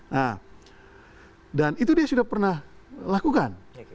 nah dan itu dia sudah pernah lakukan